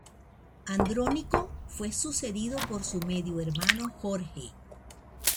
Andrónico fue sucedido por su medio hermano Jorge.